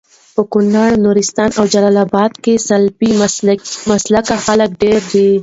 په کونړ، نورستان او جلال اباد کي سلفي مسلکه خلک ډير دي